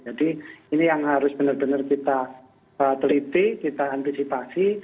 jadi ini yang harus benar benar kita teliti kita antisipasi